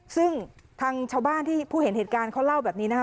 ซึ่งทางชาวบ้านที่ผู้เห็นเหตุการณ์เขาเล่าแบบนี้นะคะ